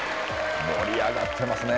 盛り上がってますね。